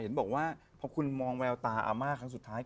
เห็นบอกว่าพอคุณมองแววตาอาม่าครั้งสุดท้าย